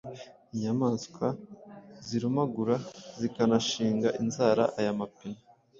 Inyamaswa zirumagura zikanashinga inzara aya mapine